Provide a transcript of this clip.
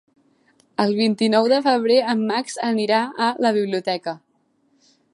El vint-i-nou de febrer en Max anirà a la biblioteca.